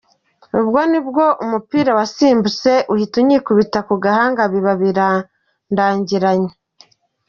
Ubwo ni bwo umupira wasimbutse uhita unyikubita ku gahanga biba birandangiranye.